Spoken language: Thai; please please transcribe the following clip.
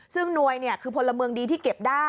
ซึ่งหน่วยคือพลเมืองดีที่เก็บได้